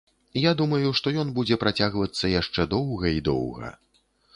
Я думаю, што ён будзе працягвацца яшчэ доўга і доўга.